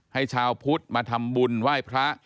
ให้ชาวพุทธมาทำบุญไหว้พระ